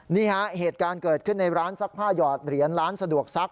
นี่ฮะเหตุการณ์เกิดขึ้นในร้านซักผ้าหยอดเหรียญร้านสะดวกซัก